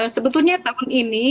sebetulnya tahun ini